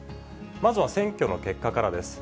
まずは選挙の結果からです。